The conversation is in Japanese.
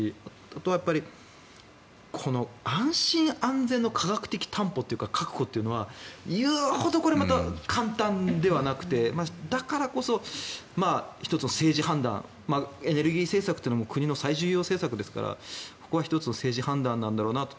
あとは、この安心安全の科学的担保というか確保っていうのは言うほど簡単ではなくてだからこそ、１つの政治判断エネルギー政策は国の最重要政策ですからここは１つの政治判断なんだろうなと。